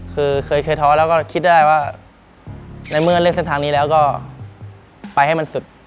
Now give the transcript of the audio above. คือเคยท้อแล้วก็คิดได้ว่าในเมื่อเล่นเส้นทางนี้แล้วก็ไปให้มันสุด